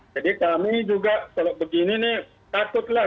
jadi kami juga kalau begini takutlah